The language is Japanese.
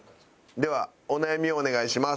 ではお悩みをお願いします。